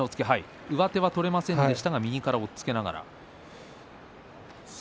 上手は取れませんでしたが右から押っつけながら取りました。